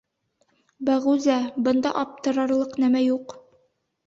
— Бәғүзә, бында аптырарлыҡ нәмә юҡ.